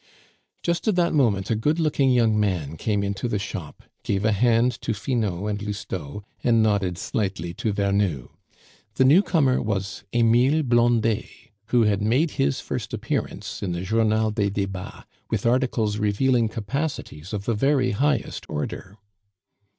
Just at that moment a good looking young man came into the shop, gave a hand to Finot and Lousteau, and nodded slightly to Vernou. The newcomer was Emile Blondet, who had made his first appearance in the Journal des Debats, with articles revealing capacities of the very highest order.